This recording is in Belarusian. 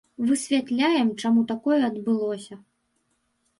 Высвятляем, чаму такое адбылося.